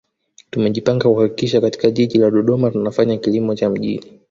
Tumejipanga kuhakikisha katika Jiji la Dodoma tunafanya kilimo cha mjini